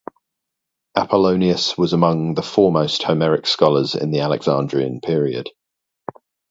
Apollonius was among the foremost Homeric scholars in the Alexandrian period.